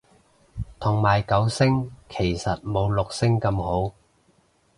同埋九聲其實冇六聲咁好